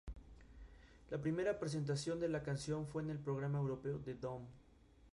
La primera presentación de la canción fue en el programa europeo "The Dome".